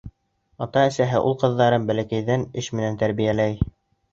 Ата-әсәһе ул-ҡыҙҙарын бәләкәйҙән эш менән тәрбиәләй.